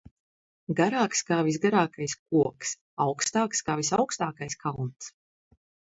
Garāks kā visgarākais koks, augstāks kā visaugstākais kalns.